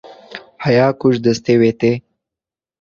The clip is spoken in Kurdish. heya ku ji destê we tê